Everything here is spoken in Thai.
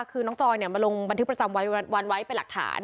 คือน้องจอยมาลงบันทึกประจำวันไว้เป็นหลักฐาน